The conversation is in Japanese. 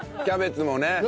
キャベツもね。